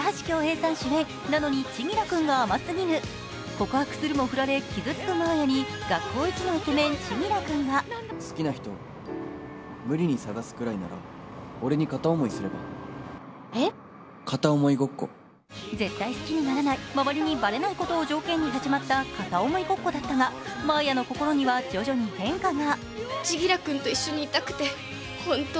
告白するもフラれ傷つく真綾に学校一のイケメン・千輝君が絶対好きにならない、周りにバレないことを条件に始まった片思いごっこだったが、真綾の心には徐々に変化が。